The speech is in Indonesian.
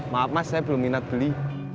maaf mas saya belum minat beli